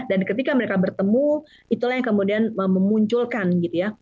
dan ketika mereka bertemu itulah yang kemudian memunculkan gitu ya